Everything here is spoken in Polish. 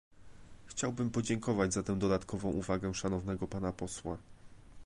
Chciałbym podziękować za tę dodatkową uwagę szanownego pana posła